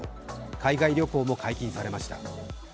海外旅行も解禁されました。